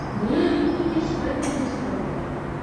Былыя мытнікі ж з гэтым не згодныя.